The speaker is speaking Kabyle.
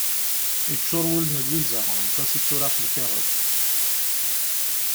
Yeččur wul n Lwiza, aṭas i d-tura ɣef lkaɣeḍ.